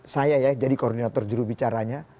saya ya jadi koordinator jurubicaranya